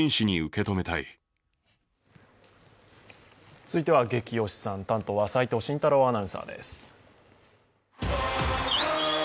続いては「ゲキ推しさん」担当は齋藤慎太郎アナウンサーです。